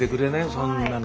そんなの。